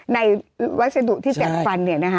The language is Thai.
ในวัสดุที่จัดฟันเนี่ยนะคะ